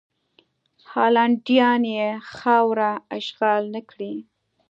هالنډیان یې خاوره اشغال نه کړي.